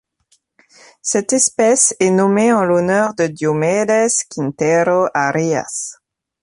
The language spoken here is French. Cette espèce est nommée en l'honneur de Diomedes Quintero Arias.